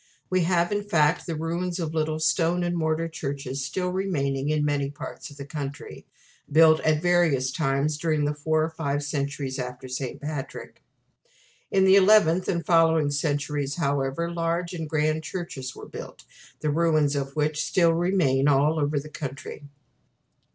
We have, in fact, the ruins of little stone and mortar churches still remaining in many parts of the country, built at various times during the four or five centuries after St. Patrick. In the eleventh and following centuries, however, large and grand churches were built, the ruins of which still remain all over the country.